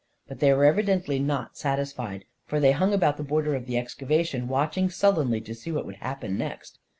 But they were evidently not satisfied, for they hung about the border of the excavation, watching sullenly to see what would happen next.